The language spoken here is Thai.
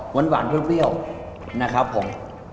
หวานหวานเพราะเปรี้ยวนะครับผม